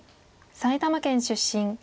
埼玉県出身。